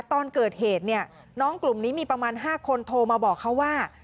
ตอนเกิดเหตุเนี่ยน้องกลุ่มนี้มีประมาณ๕คนโทรมาบอกเขาว่า